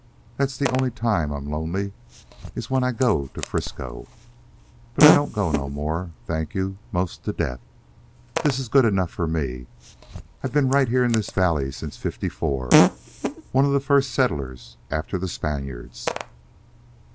That's the only time I'm lonely, is when I go to 'Frisco. But I don't go no more, thank you 'most to death. This is good enough for me. I've ben right here in this valley since '54 one of the first settlers after the Spaniards."